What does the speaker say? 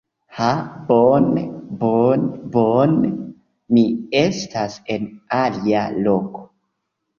Ha! Bone, bone, bone. Mi estas en alia loko.